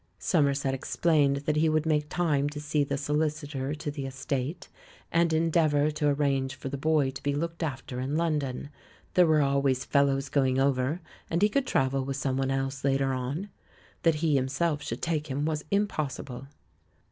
Somerset explained that he would make time to see the solicitor to the estate and endeavour to arrange for the boy to be looked after in London; there were always fellows going over, and he could travel with someone else later on. That he himself should take him was impossible.